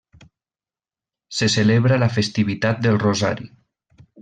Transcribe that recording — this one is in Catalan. Se celebra la festivitat del Rosari.